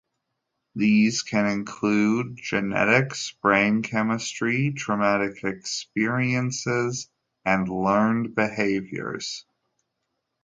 These can include genetics, brain chemistry, traumatic experiences, and learned behaviors.